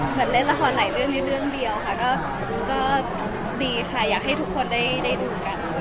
เหมือนเล่นละครหลายเรื่องในเรื่องเดียวค่ะก็ดีค่ะอยากให้ทุกคนได้ดูกัน